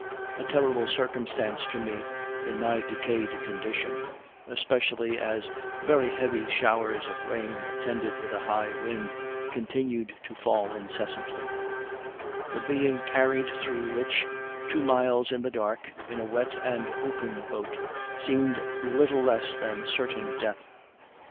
A terrible circumstance to me, in my decayed condition; especially as very heavy showers of rain, attended with a high wind, continued to fall incessantly; the being carried through which two miles in the dark, in a wet and open boat, seemed little less than certain death.